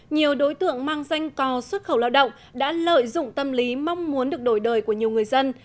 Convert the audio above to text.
nhiều đối tượng mang danh cò xuất khẩu lao động đã lợi dụng tâm lý mong muốn được đổi đời của nhiều người dân